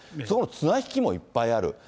その綱引きもいっぱいある。